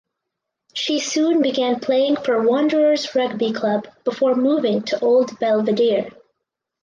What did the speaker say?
She soon began playing for Wanderers Rugby Club before moving to Old Belvedere.